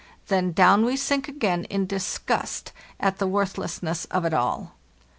Then down we sink again in disgust at the worthlessness of it all.